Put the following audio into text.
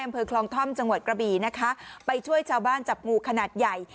อำเภอคลองท่อมจังหวัดกระบี่นะคะไปช่วยชาวบ้านจับงูขนาดใหญ่